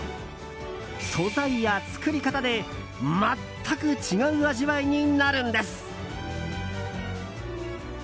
素材や作り方で全く違う味わいになるんです。